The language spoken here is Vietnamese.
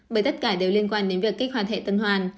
bởi tất cả đều liên quan đến việc kích hoàn hệ tân hoàn